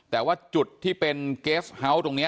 แต่ว่าจุดที่เป็นเกสเฮาส์ตรงนี้